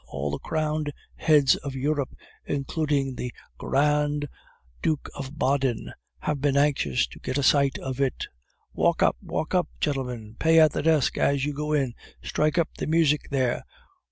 All the crowned heads of Europe, including the Gr r rand Duke of Baden, have been anxious to get a sight of it. Walk up! walk up! gentlemen! Pay at the desk as you go in! Strike up the music there!